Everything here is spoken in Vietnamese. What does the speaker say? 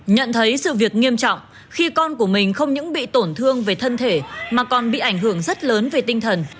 nhận thấy sự việc nghiêm trọng khi con của mình không những bị tổn thương về thân thể mà còn bị ảnh hưởng rất lớn về tinh thần